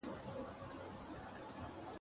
که څوک حق نه ورکوي نو په زور ترې اخیستل کېږي.